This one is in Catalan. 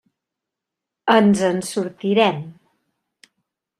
Ens en sortirem.